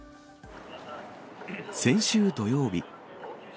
先週土曜日。